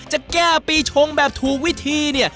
จะแก้ปีชงแบบถูกวิธีเนี่ย